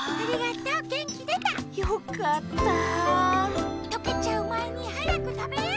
とけちゃうまえにはやくたべよう！